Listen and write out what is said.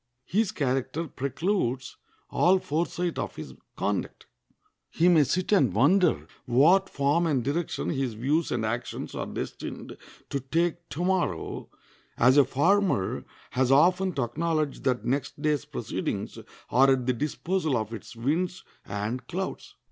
His character precludes all foresight of his conduct. He may sit and wonder what form and direction his views and actions are destined to take to morrow, as a farmer has often to acknowledge that next day's proceedings are at the disposal of its winds and clouds.